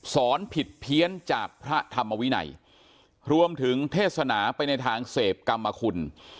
สอนผิดเพี้ยนจากพระธรรมวินัยรวมถึงเทศนาไปในทางเสพกรรมคุณ